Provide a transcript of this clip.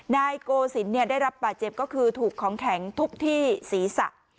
นายโกศิลป์ได้รับบาดเจ็บก็คือถูกของแข็งทุบที่ศีรษะ